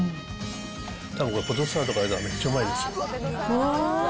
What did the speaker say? たぶんこれ、ポテトサラダとか入れたらめっちゃうまいですよ。